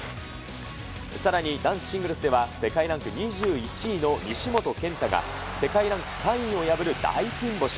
さらに男子シングルスでは、世界ランク２１位の西本拳太が世界ランク３位を破る大金星。